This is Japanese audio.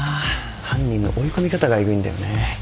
犯人の追い込み方がえぐいんだよね。